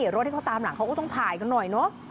รถที่เขาตามหลังเขาก็ต้องถ่ายกันหน่อยเนอะ